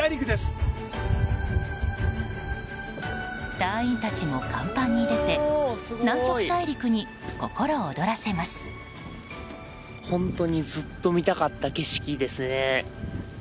隊員たちも甲板に出て南極大陸に心躍らせます。